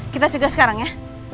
kita juga sekarang ya